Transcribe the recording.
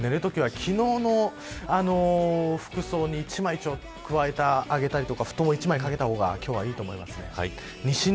夜、寝るときは昨日の服装に一枚加えてあげたりとか布団を一枚、かけた方が今日はいいと思います。